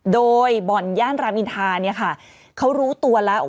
โดยบ่อนหน้าที่ย่านรามอินทางเขารู้ตัวแล้ว